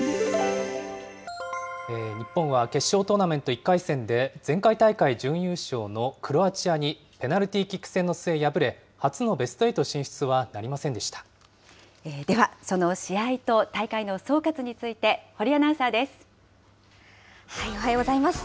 日本は決勝トーナメント１回戦で、前回大会準優勝のクロアチアにペナルティーキック戦の末、敗れ、初のベストエイト進出はなでは、その試合と大会の総括おはようございます。